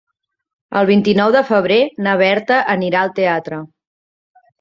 El vint-i-nou de febrer na Berta anirà al teatre.